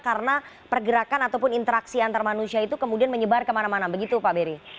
karena pergerakan ataupun interaksi antar manusia itu kemudian menyebar kemana mana begitu pak beri